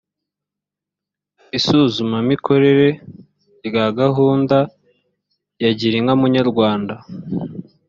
isuzumamikorere rya gahunda ya girinka munyarwanda